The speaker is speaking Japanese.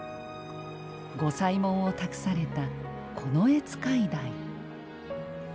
御祭文を託された近衛使代。